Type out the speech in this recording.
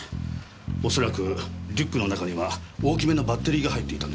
おそらくリュックの中には大きめなバッテリーが入っていたんでしょう。